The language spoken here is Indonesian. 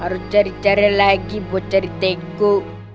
harus cari cari lagi buat cari teko